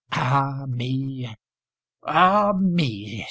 "Ah, me! ah, me!"